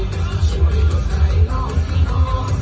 ใครก็ไม่ต้องร้อยก็ไม่ต้องร้อย